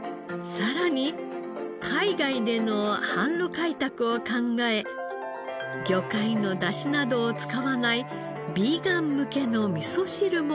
さらに海外での販路開拓を考え魚介のダシなどを使わないビーガン向けの味噌汁も開発。